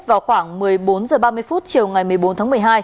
vào khoảng một mươi bốn h ba mươi chiều ngày một mươi bốn tháng một mươi hai